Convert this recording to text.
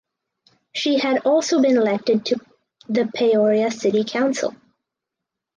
She had also been elected to the Peoria City Council.